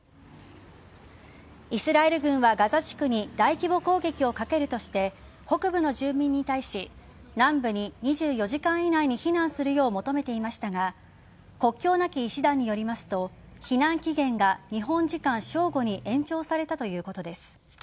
イスラエル軍はガザ地区に大規模攻撃をかけるとして北部の住民に対し南部に２４時間以内に避難するよう求めていましたが国境なき医師団によりますと避難期限が日本時間正午に延長されたということです。